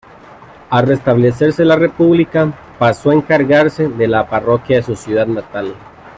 Al restablecerse la república pasó a encargarse de la parroquia de su ciudad natal.